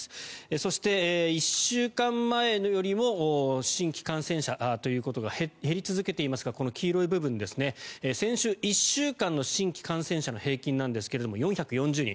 そして１週間前よりも新規感染者が減り続けていますがこの黄色い部分ですね先週１週間の新規感染者の平均なんですが４４０人。